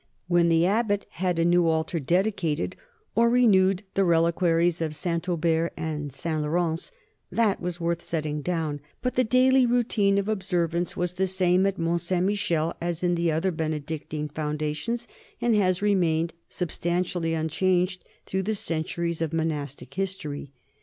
When the abbot had a new altar dedicated or renewed the reliquaries of St. Aubert and St. Lawrence, that was worth setting down, but the daily routine of observance was the same at Mont Saint Michel as in the other Benedictine foun dations, and has remained substantially unchanged through the centuries of monastic history.